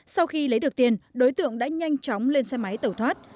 sau khi lấy được tiền đối tượng đã nhanh chóng lên xe máy tẩu thoát